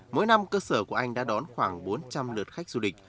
mỗi năm cơ sở của anh đã đón khoảng bốn trăm linh lượt khách du lịch